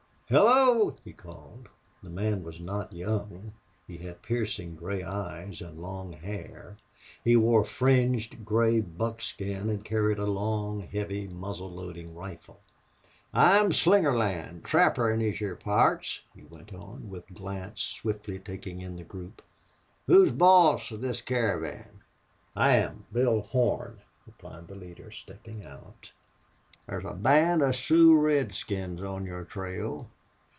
"Hello!" he called. The man was not young. He had piercing gray eyes and long hair. He wore fringed gray buckskin, and carried a long, heavy, muzzle loading rifle. "I'm Slingerland trapper in these hyar parts," he went on, with glance swiftly taking in the group. "Who's boss of this caravan?" "I am Bill Horn," replied the leader, stepping out. "Thar's a band of Sioux redskins on your trail."